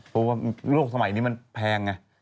เพราะว่าโลกสมัยนี้มันแพงไง